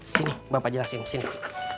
sini bapak jelasin sini